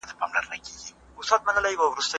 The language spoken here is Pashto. ډیری نظریات د ټولنپوهنې په درسونو کې پوښل کیږي.